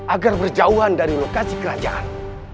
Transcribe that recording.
agar berjauhan dari lokasi kerajaan